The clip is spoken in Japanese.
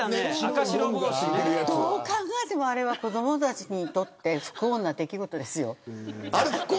どう考えても子供たちにとって不幸な出来事ですよ。